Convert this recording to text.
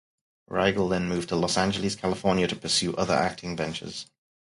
Riegel then moved to Los Angeles, California to pursue other acting ventures.